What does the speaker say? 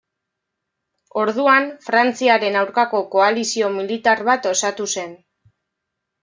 Orduan, Frantziaren aurkako koalizio militar bat osatu zen.